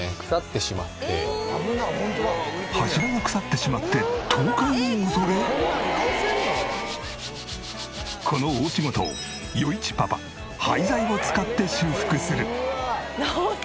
柱が腐ってしまってこの大仕事を余一パパ廃材を使って修復する！